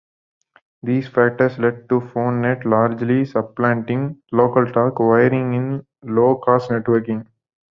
These factors led to PhoneNet largely supplanting LocalTalk wiring in low-cost networking.